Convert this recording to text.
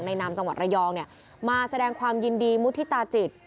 นามจังหวัดระยองมาแสดงความยินดีมุฒิตาจิต